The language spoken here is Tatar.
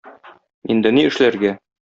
Инде ни эшләргә?